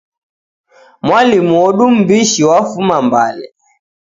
Mwalimu odu m'mbishi wafuma Mbale.